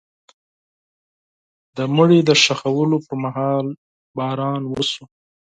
د مړي د ښخولو پر مهال باران وشو.